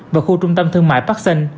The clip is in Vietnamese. và khu trung tâm thương mại parkson